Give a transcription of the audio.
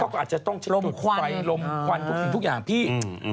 เขาก็อาจจะต้องตุดไฟลมควันทุกอย่างพี่ลมควัน